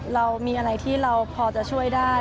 เรามีอะไรที่เราพอจะช่วยได้